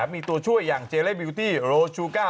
มีตัวช่วยอย่างเจเล่บิวตี้โรชูก้า